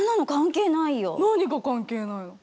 何が関係ないの。